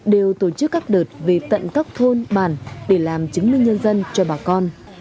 đều tổ chức các đợt về tận các thôn bản để làm chứng minh nhân dân cho bà con